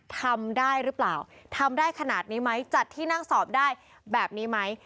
ทำได้หรือเปล่าทำได้ขนาดนี้ไหมจัดที่นั่งสอบได้แบบนี้ไหม